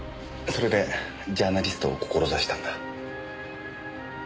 それでジャーナリストを志したんだ。